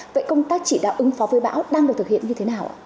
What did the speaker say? vậy công tác chỉ đạo ứng phó với bão đang được thực hiện như thế nào ạ